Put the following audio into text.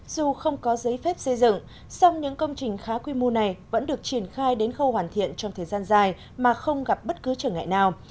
dù không có giấy phép xây dựng song những công trình khá quy mô này vẫn được triển khai đến khâu hoàn thiện trong thời gian dài mà không gặp bất cứ trở ngại nào